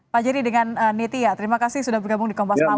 pak jerry dengan nitia terima kasih sudah bergabung di kompas pal